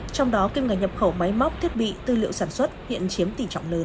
trong đó kim ngạch nhập khẩu máy móc thiết bị tư liệu sản xuất hiện chiếm tỷ trọng lớn